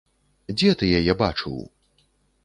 Дзе ты яе бачыў?